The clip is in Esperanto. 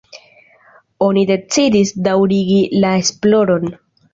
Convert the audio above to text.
Oni decidis daŭrigi la esploron.